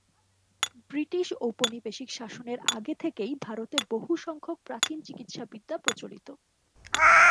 British ঔপনিবেশিক শাসনের আগে থেকেই ভারতে বহুসংখ্যক প্রাচীন চিকিৎসাবিদ্যা প্রচলিত।